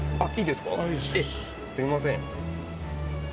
すみません。